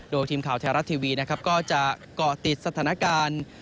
โดยทีมข่าวไทยรัฐทีวีนะครับก็จะเกาะติดสถานการณ์